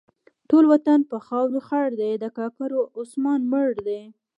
ټول وطن په خاورو خړ دی؛ د کاکړو عثمان مړ دی.